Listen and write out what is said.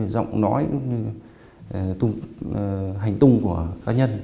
giọng nói hành tung của cá nhân